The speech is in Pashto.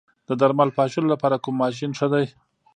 د درمل پاشلو لپاره کوم ماشین ښه دی؟